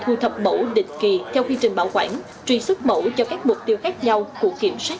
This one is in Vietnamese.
thu thập mẫu địch kỳ theo quy trình bảo quản truy xuất mẫu cho các mục tiêu khác nhau của kiểm soát